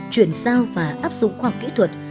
chuyển giao và áp dụng khoa học kỹ thuật